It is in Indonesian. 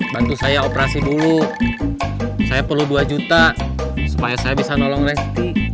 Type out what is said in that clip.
bantu saya operasi dulu saya perlu dua juta supaya saya bisa nolong deh